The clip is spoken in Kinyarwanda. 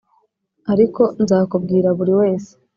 ariko nzakubwira buri wese